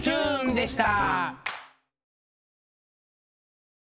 でした！